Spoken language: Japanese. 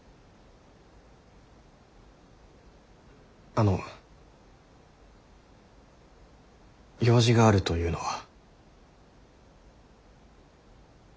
あの用事があるというのは？